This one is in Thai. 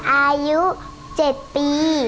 อายุ๗ปี